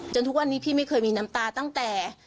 ทุกวันนี้พี่ไม่เคยมีน้ำตาตั้งแต่